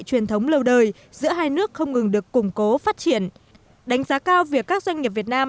truyền thống lâu đời giữa hai nước không ngừng được củng cố phát triển đánh giá cao việc các doanh nghiệp việt nam